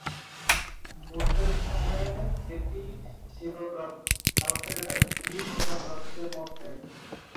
বুদ্ধের সময়ে এটি ছিল ভারতের চারটি প্রধান রাজ্যের মধ্যে একটি।